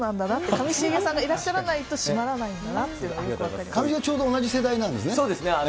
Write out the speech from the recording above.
上重さんがいらっしゃらないと締まらないんだなっていうのがよく上重さん、ちょうど同じ世代そうですね。